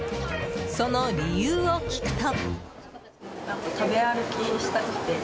その理由を聞くと。